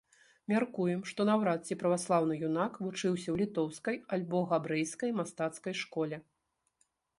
Мяркуем, што наўрад ці праваслаўны юнак вучыўся ў літоўскай альбо габрэйскай мастацкай школе.